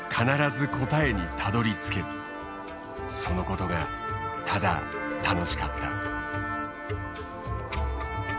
そのことがただ楽しかった。